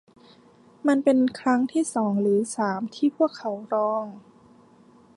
มันเป็นครั้งที่สองหรือสามที่พวกเขาลอง